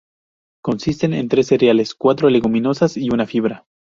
Consisten en tres cereales, cuatro leguminosas y una fibra.